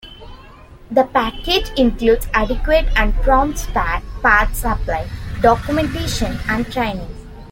The package includes adequate and prompt spare parts supply, documentation and training.